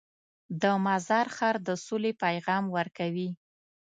د مزار ښار د سولې پیغام ورکوي.